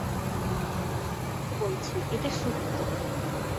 শপথ করে বলছি, এটা সত্য।